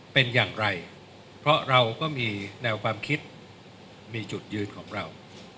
เป็นอย่างไรเพราะเราก็มีแนวความคิดมีจุดยืนของเรา